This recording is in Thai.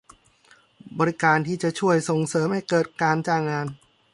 บริการที่จะช่วยส่งเสริมให้เกิดการจ้างงาน